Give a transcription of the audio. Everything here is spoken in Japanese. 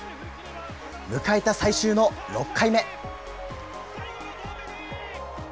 迎えた最終の６回目。